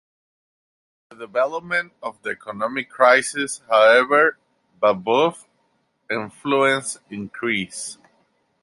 With the development of the economic crisis, however, Babeuf's influence increased.